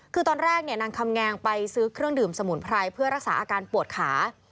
คือตอนแรกนางคำแงงไปซื้อเครื่องดื่มสมุนไพรเพื่อรักษาอาการปวดขา